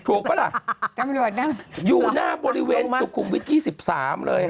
ถูกปะล่ะตำรวจนั่งอยู่หน้าบริเวณสุขุมวิทย์ที่๑๓เลยฮะ